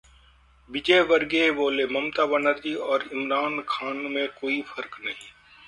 विजयवर्गीय बोले- ममता बनर्जी और इमरान खान में कोई फर्क नहीं